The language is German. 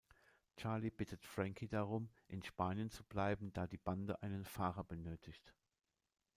Charlie bittet Frankie darum, in Spanien zu bleiben, da die Bande einen Fahrer benötigt.